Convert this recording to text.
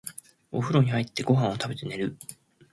お風呂に入って、ご飯を食べて、寝る。